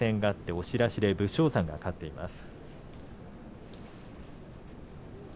押し出しで武将山が勝っています。